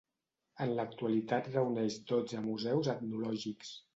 En l'actualitat reuneix dotze museus etnològics.